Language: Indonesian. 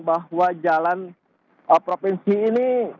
bahwa jalan provinsi ini